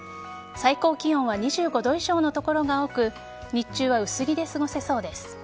最高気温は２５度以上の所が多く日中は薄着で過ごせそうです。